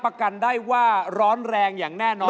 เพราะว่ารายการหาคู่ของเราเป็นรายการแรกนะครับ